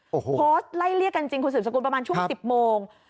โพสไล่เรียกกันจริงคุณสื่อสกุลประมาณช่วง๑๐โมง